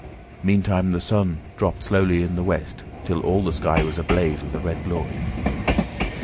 Meantime the sun dropped slowly to the west, till all the sky was ablaze with a red glory.